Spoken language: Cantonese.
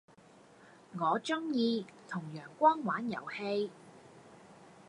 我鐘意同陽光玩遊戲